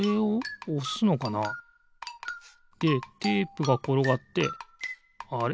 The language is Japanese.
でテープがころがってあれ？